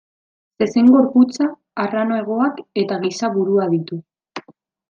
Zezen gorputza, arrano hegoak eta giza burua ditu.